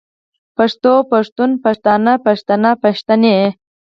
پښتو پښتون پښتانۀ پښتنه پښتنې